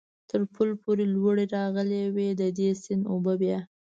تر پل پورې لوړې راغلې وې، د دې سیند اوبه بیا.